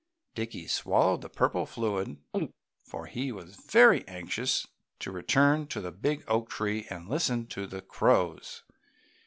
Dickie swallowed the purple fluid, for he was very anxious to return to the big oak tree and listen to the crows.